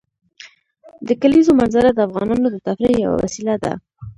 د کلیزو منظره د افغانانو د تفریح یوه وسیله ده.